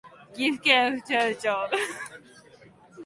岐阜県富加町